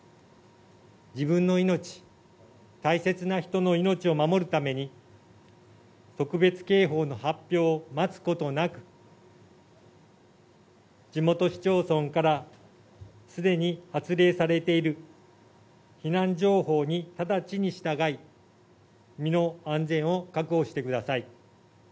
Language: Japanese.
自分の命、大切な人の命を守るために、特別警報の発表を待つことなく、地元市町村からすでに発令されている避難情報に直ちに従い、身の安全を確保してください。